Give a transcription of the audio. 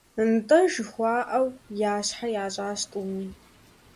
«НтӀэ», жыхуаӀэу, я щхьэр ящӀащ тӀуми.